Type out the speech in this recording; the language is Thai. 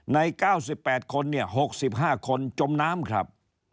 ใน๙๘คน๖๕คนจมน้ำครับ